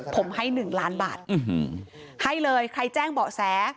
ผมให้๑ล้านบาทให้เลยใครแจ้งเบาะแส